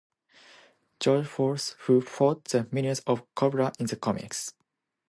Joe force who fought the minions of Cobra in the comics.